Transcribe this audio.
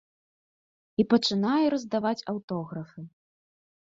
І пачынае раздаваць аўтографы.